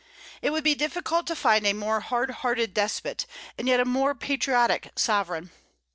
It would be difficult to find a more hard hearted despot, and yet a more patriotic sovereign.